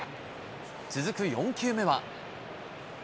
続く４球目は。